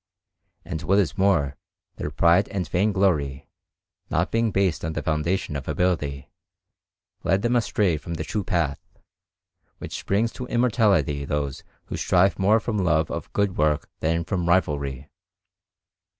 And, what is more, their pride and vainglory, not being based on the foundation of ability, led them astray from the true path, which brings to immortality those who strive more from love of good work than from rivalry.